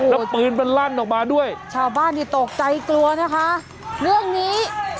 แล้วปืนมันลั่นออกมาด้วยชาวบ้านนี่ตกใจกลัวนะคะเรื่องนี้